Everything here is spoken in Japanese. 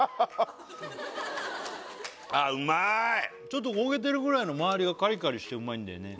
ちょっと焦げてるぐらいの周りがカリカリしてうまいんだよね